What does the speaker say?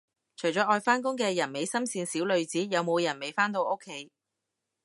除咗愛返工嘅人美心善小女子，有冇人未返到屋企